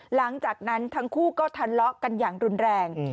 หลังจากนั้นทั้งคู่ก็ทะเลาะกันอย่างรุนแรง